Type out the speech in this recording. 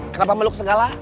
kenapa meluk segala